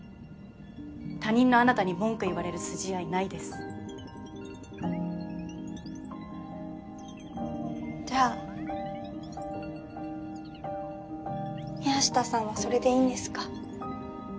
他人のあなたに文句言われる筋合いないですじゃあ宮下さんはそれでいいんですか？